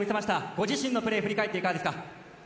ご自身のプレー振り返っていかがですか？